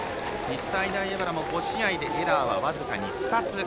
日体大荏原も５試合でエラーは僅かに２つ。